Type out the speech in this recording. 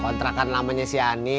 kontrakan lamanya si ani